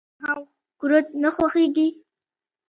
آیا تاسو هم کورت نه خوښیږي.